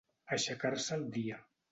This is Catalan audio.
Aixecar-se el dia.